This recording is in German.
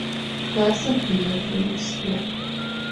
Wells und Beatrice Webb.